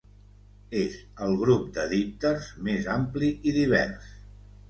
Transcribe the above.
És el grup de dípters més ampli i divers.